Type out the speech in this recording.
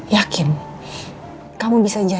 mau bantuin apa